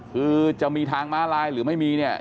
คือจะมีทางม้าลายหรือไม่มีเนี่ย